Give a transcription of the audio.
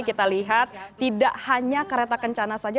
kita lihat tidak hanya kereta kencana saja